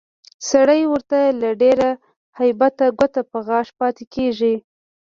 سړی ورته له ډېره هیبته ګوته په غاښ پاتې کېږي